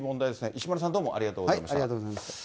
石丸さん、どうもありがとうござありがとうございました。